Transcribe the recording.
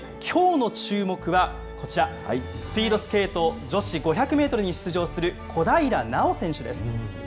きょうの注目はこちら、スピードスケート女子５００メートルに出場する小平奈緒選手です。